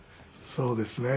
そうですね。